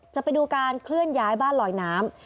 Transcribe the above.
จะไปดูการเคลื่อนย้ายบ้านลอยน้ำ